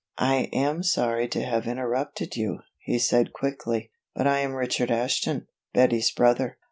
"I am sorry to have interrupted you," he said quickly, "but I am Richard Ashton, Betty's brother."